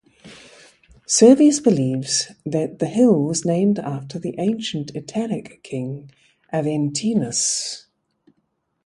Servius believes that the hill was named after the ancient Italic king "Aventinus".